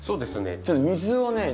ちょっと水をね